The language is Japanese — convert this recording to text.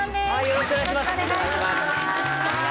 よろしくお願いします